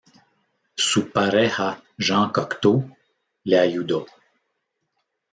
Su pareja Jean Cocteau le ayudó.